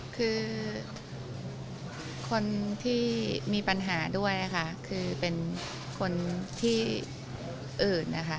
คือคนที่มีปัญหาด้วยคือเป็นคนที่อึด